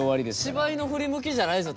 芝居の振り向きじゃないですよ